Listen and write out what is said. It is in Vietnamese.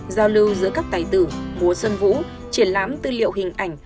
giao lưu giữa các tài tử múa xuân vũ triển lãm tư liệu hình ảnh